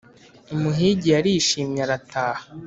umuhigi yarishimye arataha.